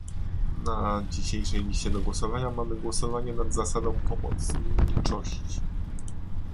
Na dzisiejszej liście do głosowania mamy głosowanie nad zasadą pomocniczości